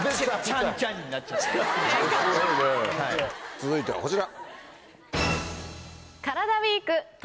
続いてはこちら。